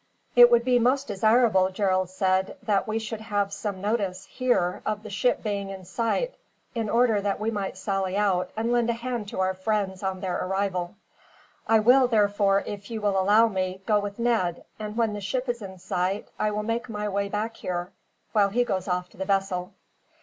"It would be most desirable," Gerald said, "that we should have some notice, here, of the ship being in sight; in order that we might sally out, and lend a hand to our friends on their arrival. I will, therefore, if you will allow me, go with Ned; and when the ship is in sight, I will make my way back here, while he goes off to the vessel."